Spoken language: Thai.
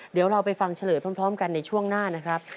เดี๋ยวเราไปฟังเฉลยพร้อมกันในช่วงหน้านะครับ